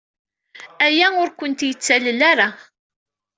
Aya ur kent-yettalel ara.